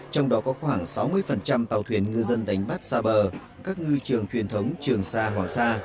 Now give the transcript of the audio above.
trong đó có khoảng sáu mươi tàu thuyền ngư dân đánh bắt xa bờ các ngư trường truyền thống trường xa hoặc xa